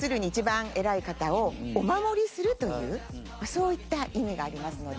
そういった意味がありますので。